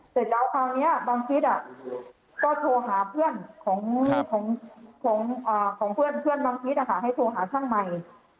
เสร็จแล้วคราวนี้บังฟิศก็โทรหาเพื่อนของเพื่อนบังฟิศให้โทรหาช่างใหม่